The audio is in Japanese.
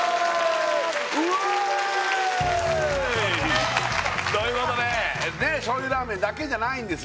うえい！ということで醤油ラーメンだけじゃないんですね